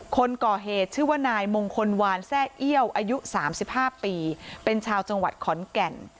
คนก่อเหตุชื่อว่านายมงคลวานแซ่เอี้ยวอายุ๓๕ปีเป็นชาวจังหวัดขอนแก่น